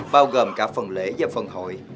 bao gồm cả phần lễ và phần hội